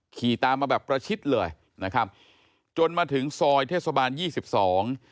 ขี่ตามมาแบบประชิดเลยนะครับจนมาถึงซอยเทศบาลยี่สิบสอง